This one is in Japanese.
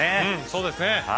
そうですね。